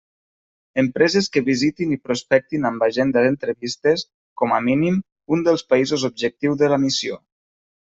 Empreses que visitin i prospectin amb agenda d'entrevistes, com a mínim, un dels països objectiu de la missió.